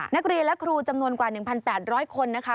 นักเรียนและครูจำนวนกว่า๑๘๐๐คนนะคะ